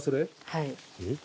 はい。